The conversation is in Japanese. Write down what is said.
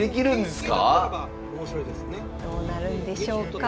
どうなるんでしょうか。